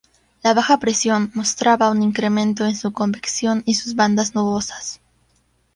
La baja presión, mostraba un incremento en su convección y sus bandas nubosas.